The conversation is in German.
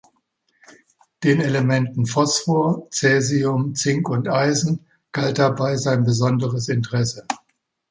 Den Elementen Phosphor, Cäsium, Zink und Eisen galt dabei sein besonderes Interesse.